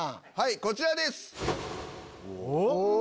こちらです！